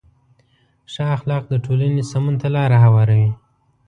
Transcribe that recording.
ښه اخلاق د ټولنې سمون ته لاره هواروي.